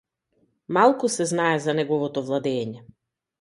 Малку се знае за неговото владеење.